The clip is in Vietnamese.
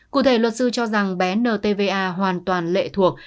cụ thể luật sư cho rằng bé ntva hoàn toàn lệ thuộc